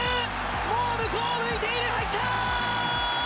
もう向こうを向いている、入った！